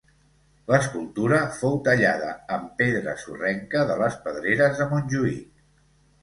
L'escultura fou tallada en pedra sorrenca de les pedreres de Montjuïc.